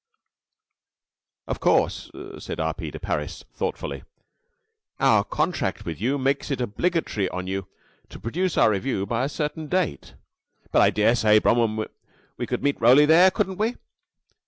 "Of course," said R. P. de Parys, thoughtfully, "our contract with you makes it obligatory on you to produce our revue by a certain date but I dare say, Bromham, we could meet Roly there, couldn't we?"